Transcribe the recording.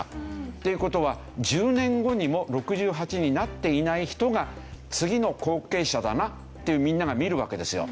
っていう事は１０年後にも６８になっていない人が次の後継者だなってみんなが見るわけですよ。